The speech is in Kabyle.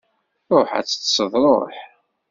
Ruḥ ad teṭṭseḍ, ruḥ!